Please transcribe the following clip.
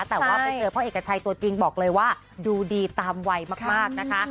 แต่ว่าไปเจอพ่อเอกชัยตัวจริงบอกเลยว่าดูดีตามวัยมากนะคะ